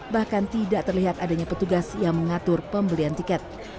bahkan tidak terlihat adanya petugas yang mengatur pembelian tiket